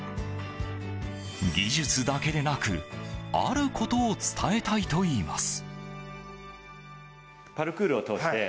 技術だけでなくあることを伝えたいといいます。